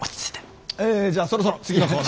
えじゃあそろそろ次のコーナー。